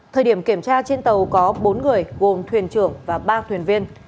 thời điểm kiểm tra trên tàu có bốn người gồm thuyền trưởng và ba thuyền viên